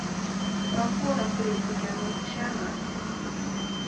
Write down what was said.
Man får de politiker man förtjänar.